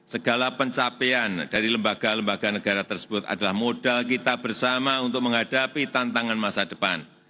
segala pencapaian dari lembaga lembaga negara tersebut adalah modal kita bersama untuk menghadapi tantangan masa depan